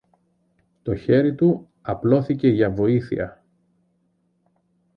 Το χέρι του απλώθηκε για βοήθεια